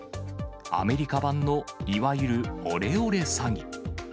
アメリカ版のいわゆるオレオレ詐欺。